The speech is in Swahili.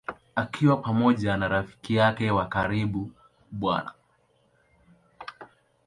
Akiwa pamoja na rafiki yake wa karibu Bw.